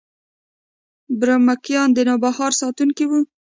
برمکیان د نوبهار ساتونکي وو